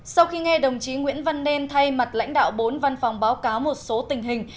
sau khi nghe đồng chí nguyễn văn nên thay mặt lãnh đạo bốn văn phòng báo cáo một số tình hình